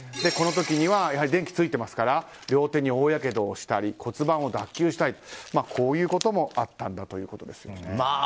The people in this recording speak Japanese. この時は電気がついていますから両手に大やけどをしたり骨盤を脱臼したりとこういうこともあったんだということです。